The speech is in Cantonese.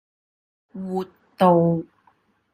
活道